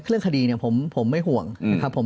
เพราะอาชญากรเขาต้องปล่อยเงิน